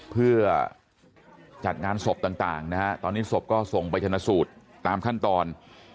เพื่อจัดงานศพต่างนะฮะตอนนี้ศพก็ส่งไปชนะสูตรตามขั้นตอน